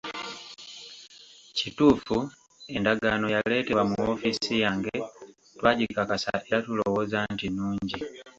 Kituufu, endagaano yaleetebwa mu woofiisi yange, twagikakasa era tulowooza nti nnungi.